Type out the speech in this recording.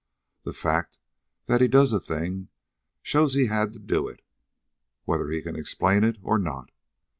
The fact that he does a thing shows he had to do it whether he can explain it or not.